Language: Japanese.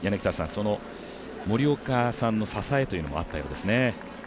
その森岡さんの支えというのもあったようですね。